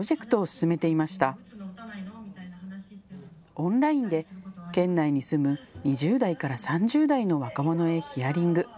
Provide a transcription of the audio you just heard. オンラインで県内に住む２０代から３０代の若者へヒアリング。